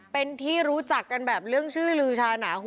เป็นที่รู้จักกันแบบเรื่องชื่อลือชาหนาหู